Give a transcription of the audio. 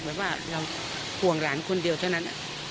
แบบว่าเราห่วงหลานคนเดียวเท่านั้น